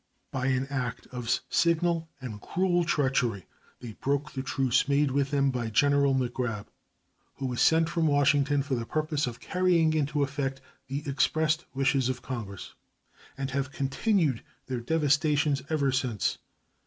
By an act of signal and cruel treachery they broke the truce made with them by General MacGrab, who was sent from Washington for the purpose of carrying into effect the expressed wishes of Congress, and have continued their devastations ever since.